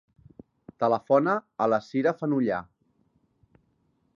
Telefona a la Sira Fenollar.